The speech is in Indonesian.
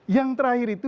yang terakhir itu